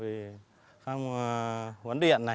về khám hoản điện